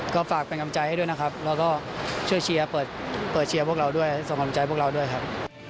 ก็ฝากเป็นกำลังใจให้ด้วยนะครับแล้วก็ช่วยเชียร์เปิดเชียร์พวกเราด้วยส่งกำลังใจพวกเราด้วยครับ